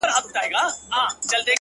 راډيو،